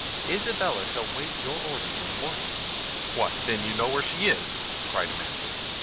Isabella shall wait your orders in the morning." "What, then, you know where she is!" cried Manfred.